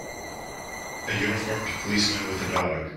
A uniformed policeman with a dog.